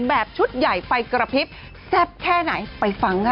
แบบชุดใหญ่ไฟกระพริบแซ่บแค่ไหนไปฟังค่ะ